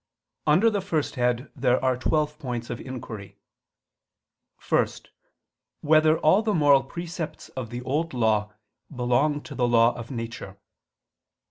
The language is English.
Under the first head there are twelve points of inquiry: (1) Whether all the moral precepts of the Old Law belong to the law of nature?